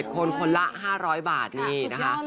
คนคนละ๕๐๐บาทนี่นะคะ